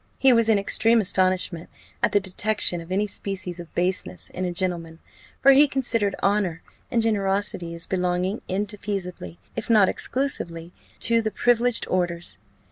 He was in extreme astonishment at the detection of any species of baseness in a gentleman; for he considered honour and generosity as belonging indefeasibly, if not exclusively, to the privileged orders.